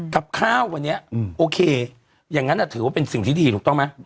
กับข้าววันนี้โอเคอย่างนั้นถือว่าเป็นสิ่งที่ดีถูกต้องไหม